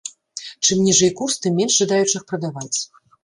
Чым ніжэй курс, тым менш жадаючых прадаваць.